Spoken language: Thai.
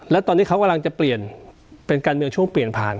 แล้วตอนนี้เขากำลังจะเปลี่ยนเป็นการเมืองช่วงเปลี่ยนผ่าน